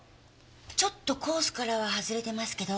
ちょっとコースからははずれてますけど。